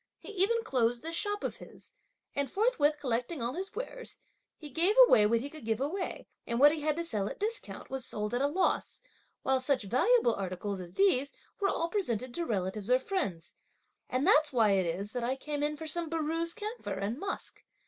He even closed this shop of his, and forthwith collecting all his wares, he gave away, what he could give away, and what he had to sell at a discount, was sold at a loss; while such valuable articles, as these, were all presented to relatives or friends; and that's why it is that I came in for some baroos camphor and musk.